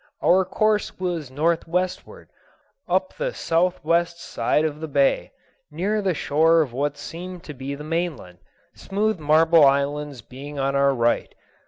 Our course was northwestward, up the southwest side of the bay, near the shore of what seemed to be the mainland, smooth marble islands being on our right.